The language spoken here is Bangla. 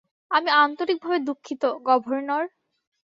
আমি আন্তরিকভাবে দুঃখিত, গভর্নর।